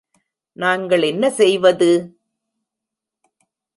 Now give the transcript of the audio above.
நாங்கள் என்ன செய்வது?